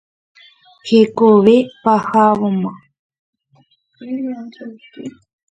Hekove pahávoma.